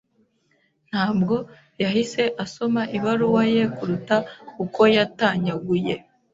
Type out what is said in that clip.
Ntabwo yahise asoma ibaruwa ye kuruta uko yatanyaguye.